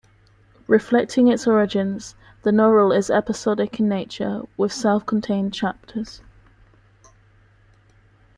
Reflecting its origins, the novel is episodic in nature, with self-contained chapters.